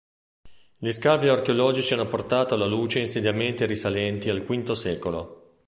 Gli scavi archeologici hanno portato alla luce insediamenti risalenti al V secolo.